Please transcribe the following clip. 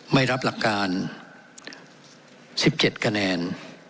ไม่รับหลักการสิบเจ็ดคะแนน